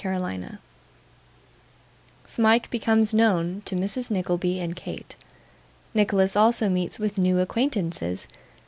CHAPTER 35 Smike becomes known to Mrs. Nickleby and Kate. Nicholas also meets with new Acquaintances.